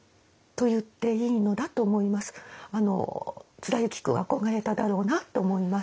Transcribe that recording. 貫之君憧れただろうなって思います。